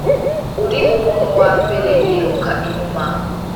uri umuntu wambere niruka inyuma.